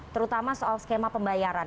terutama soal skema pembayaran